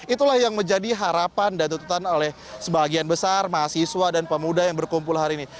itulah yang menjadi harapan dan tutupan oleh sebagian besar mahasiswa dan pemuda yang berkumpul hari ini